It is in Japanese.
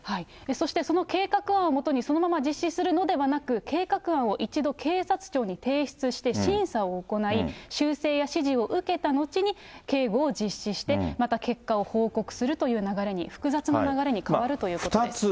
そしてその計画案を基に、そのまま実施するのではなく、計画案を一度、警察庁に提出して審査を行い、修正や指示を受けたのちに、警護を実施して、また結果を報告するという流れに、複雑な流れに変わるということです。